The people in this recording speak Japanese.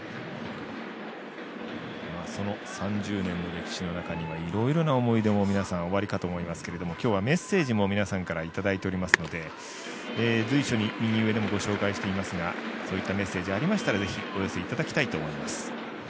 その３０年の歴史の中にはいろいろな思い出も皆さん、おありかと思いますけど今日はメッセージも皆さんからいただいていますので随所に右上でもご紹介してますがそういったメッセージありましたらぜひお寄せいただきたいと思います。